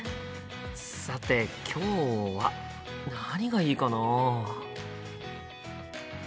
さて今日は何がいいかな？